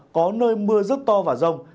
có nơi mưa rất to và rông